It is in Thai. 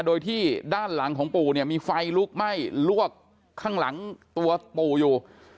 โดยที่ด้านหลังของปู่เนี่ยมีไฟลุกไหม้ลวกข้างหลังตัวปู่อยู่